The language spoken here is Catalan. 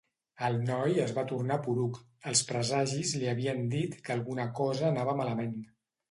El noi es va tornar poruc, els presagis li havien dit que alguna cosa anava malament.